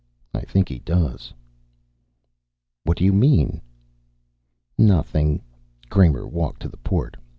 "I think he does." "What do you mean?" "Nothing." Kramer walked to the port.